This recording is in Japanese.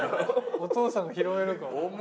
お父さんが広めるかも。